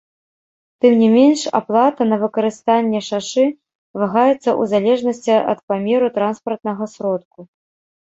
Тым не менш, аплата на выкарыстанне шашы вагаецца ў залежнасці ад памеру транспартнага сродку.